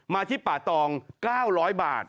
ที่ป่าตอง๙๐๐บาท